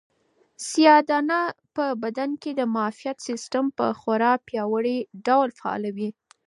سیاه دانه په بدن کې د معافیت سیسټم په خورا پیاوړي ډول فعالوي.